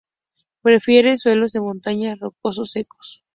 Prefiere suelos de montaña rocosos secos.